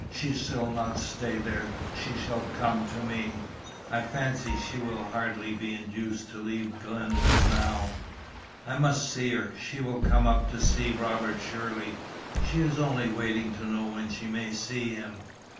She shall not stay there. She shall come to me." "I fancy she will hardly be induced to leave Glenville now." "I must see her. She will come up to see Robert, surely!" "She is only waiting to know when she may see him."